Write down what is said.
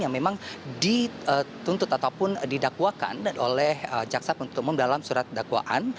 yang memang dituntut ataupun didakwakan oleh jaksa penuntut umum dalam surat dakwaan